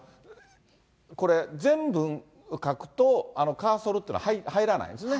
これ、全文書くと、カーソルっていうのは入らないんですね。